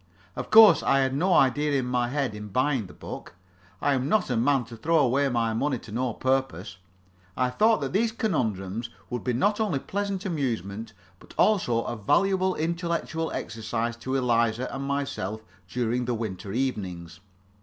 Of course I had an idea in my head in buying the book; I am not the man to throw away my money to no purpose. I thought that these conundrums would be not only a pleasant amusement, but also a valuable intellectual exercise to Eliza and myself during the winter evenings.